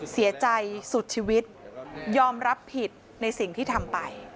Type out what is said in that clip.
เสียใจสุดชีวิตยอมรับผิดในสิ่งที่ทำไป